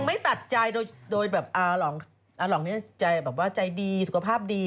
ไม่ตัดใจโดยแบบอาหลองนี้ใจแบบว่าใจดีสุขภาพดี